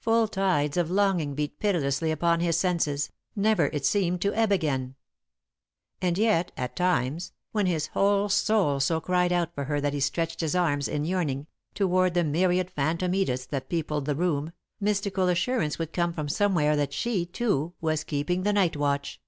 Full tides of longing beat pitilessly upon his senses, never, it seemed, to ebb again. And yet, at times, when his whole soul so cried out for her that he stretched his arms, in yearning, toward the myriad phantom Ediths that peopled the room, mystical assurance would come from somewhere that she, too, was keeping the night watch.